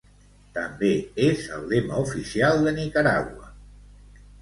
També és el lema oficial de Nicaragua.